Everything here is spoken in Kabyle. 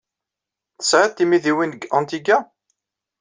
Tesɛid timidiwin deg Antigua?